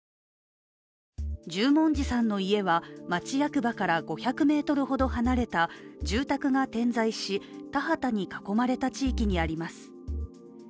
十文字さんの家は町役場から５００ｍほど離れた住宅が点在し、田畑に囲まれた地域にあります。